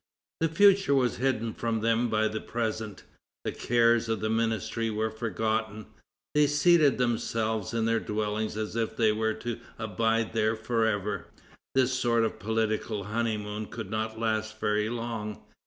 The future was hidden from them by the present. The cares of the ministry were forgotten. They seated themselves in their dwellings as if they were to abide there forever." This sort of political honeymoon could not last very long.